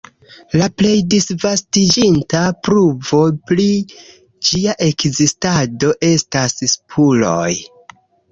La plej disvastiĝinta pruvo pri ĝia ekzistado estas spuroj.